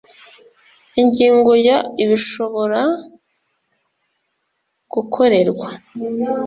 Ingingo ya Ibishobora gukorerwa